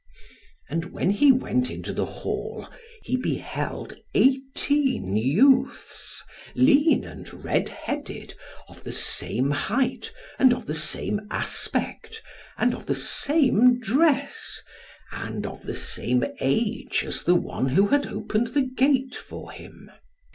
And when he went into the hall, he beheld eighteen youths, lean and red headed, of the same height and of the same aspect, and of the same dress, and of the same age as the one who had opened the gate for him.